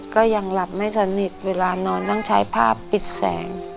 ก็ยังหลับไม่สนิทเวลานอนต้องใช้ผ้าปิดแสง